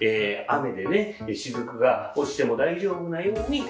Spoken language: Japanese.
雨でしずくが落ちても大丈夫なように。